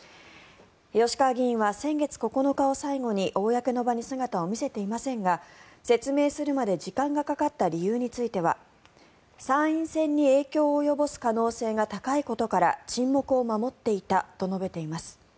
吉川議員は先月９日を最後に公の場に姿を見せていませんが説明するまで時間がかかった理由については参院選に影響を及ぼす可能性が高いことから沈黙を守っていたと述べています。